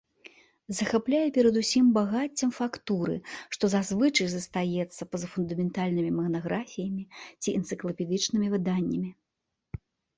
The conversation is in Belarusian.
Захапляе перадусім багаццем фактуры, што зазвычай застаецца па-за фундаментальнымі манаграфіямі ці энцыклапедычнымі выданнямі.